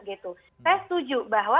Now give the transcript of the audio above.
saya setuju bahwa